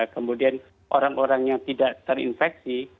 kemudian orang orang yang tidak terinfeksi